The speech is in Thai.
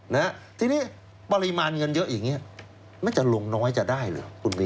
นะฮะทีนี้ปริมาณเงินเยอะอย่างเงี้ยมันจะลงน้อยจะได้เหรอคุณมี